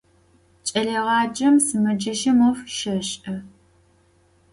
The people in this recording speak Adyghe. Ç'eleêğacem sımeceşım 'of şêş'e.